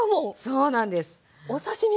そうなんです。